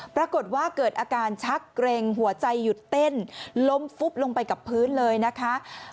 ปรากฏว่าเกิดอาการชักเกร็งหัวใจหยุดเต้นล้มฟุบลงไปกับพื้นเลยนะคะ